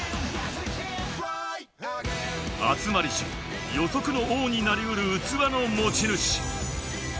集まりし予測の王になりうる器の持ち主。